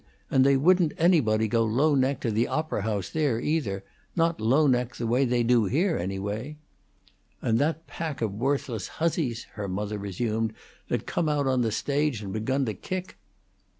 And they wouldn't anybody go low neck to the opera house there, either not low neck the way they do here, anyway." "And that pack of worthless hussies," her mother resumed, "that come out on the stage, and begun to kick."